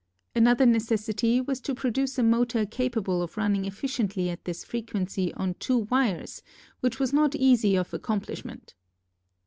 Another necessity was to pro duce a motor capable of running efficiently at this frequency on two wires which was not easy of accomplishment.